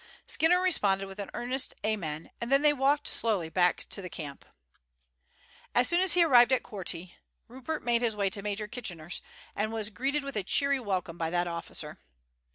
Skinner responded with an earnest Amen, and then they walked slowly back to the camp. As soon as he arrived at Korti Rupert made his way to Major Kitchener's, and was greeted with a cheery welcome by that officer.